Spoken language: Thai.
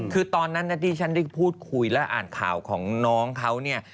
คือตอนนั้นนะที่ฉันได้พูดคุยและอ่านข่าวของน้องเขาเนี่ย